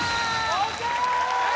ＯＫ！